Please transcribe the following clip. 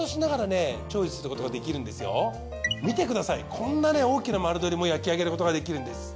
こんなね大きな丸鶏も焼き上げることができるんです。